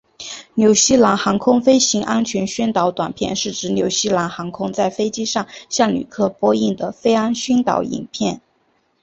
纽西兰航空飞行安全宣导短片是指纽西兰航空在飞机上向旅客播映的飞安宣导影片。